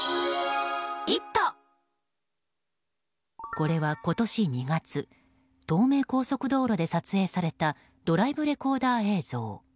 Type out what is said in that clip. これは今年２月東名高速道路で撮影されたドライブレコーダー映像。